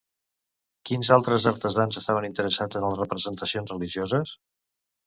Quins altres artesans estaven interessats en les representacions religioses?